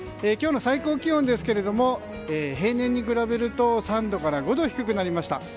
今日の最高気温ですが平年に比べると３度から５度低くなりました。